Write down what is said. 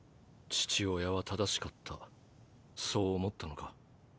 父親は正しかったそう思ったのか？